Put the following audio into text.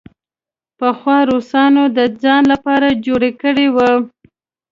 پخوا روسانو د ځان لپاره جوړ کړی وو.